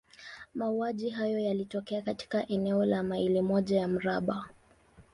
Mauaji haya yalitokea katika eneo la maili moja ya mraba.